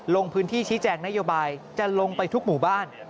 ลงพื้นที่ชี้แจงนโยบายจะลงไปทุกหมู่บ้าน